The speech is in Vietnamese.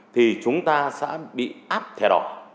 thì chúng ta sẽ bị áp thẻ đỏ